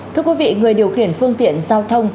thưa quý vị người điều khiển phương tiện giao thông